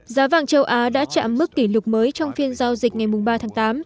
giá vàng châu á đã chạm mức kỷ lục mới trong phiên giao dịch ngày ba tháng tám